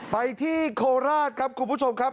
ไปที่โคราชครับคุณผู้ชมครับ